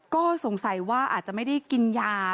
ก็สงสัยว่าอาจจะไม่ได้กินยา